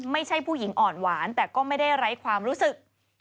ไม่ใช่ผู้หญิงอ่อนหวานแต่ก็ไม่ได้ไร้ความรู้สึก